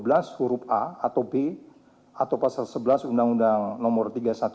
pasal dua belas huruf a atau b atau pasal sebelas undang undang nomor tiga ribu satu ratus sembilan puluh sembilan